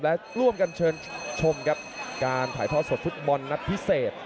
และร่วมกันเชิญชมครับการถ่ายทอดสดฟุตบอลนัดพิเศษ